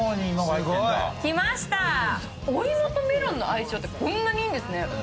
きました、お芋とメロンの愛称ってこんなにいいんですね！